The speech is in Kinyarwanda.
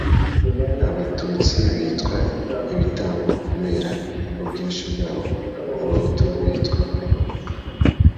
abatutsi bitwa ibitambo kubera ubwinshi bwabo abahutu bitwa abagome